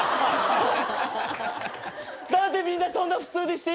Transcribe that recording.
何でみんなそんな普通にしていられるの！？